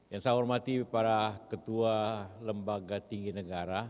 yang saya hormati para ketua lembaga tinggi negara